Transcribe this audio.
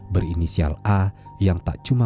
berinisial a yang tak cuma